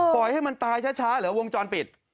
ปล่อยให้มันตายช้าเหรอวงจรปิด